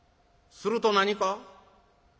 すると何か？